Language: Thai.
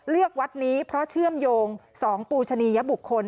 เลือกวัดนี้เพราะเชื่อมโยง๒ปูชนียบุคคล